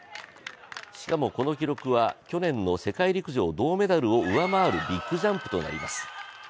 しかも、この記録は去年の世界陸上銅メダルを上回るビッグジャンプとなります。